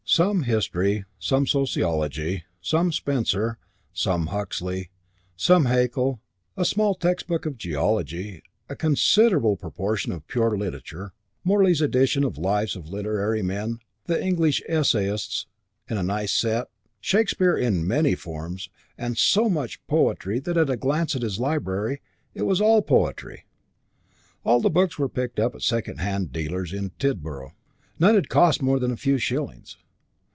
Some history, some sociology, some Spencer, some Huxley, some Haeckel, a small textbook of geology, a considerable proportion of pure literature, Morley's edition of lives of literary men, the English essayists in a nice set, Shakespeare in many forms and so much poetry that at a glance his library was all poetry. All the books were picked up at second hand dealers' in Tidborough, none had cost more than a few shillings.